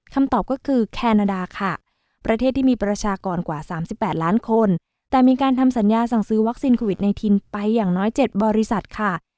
คำตอบก็คือแคนาดาค่ะประเทศที่มีประชากรกว่า๓๘ล้านคนแต่มีการทำสัญญาสั่งซื้อวัคซีนโควิด๑๙ไปอย่างน้อย๗บริษัทค่ะ